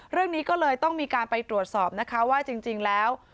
เรื่องนี้ก็เลยต้องมีการไปตรวจสอบนะคะว่าจริงแล้ว